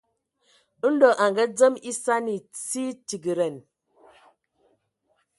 Ndɔ a ngadzem esani, sie tigedan.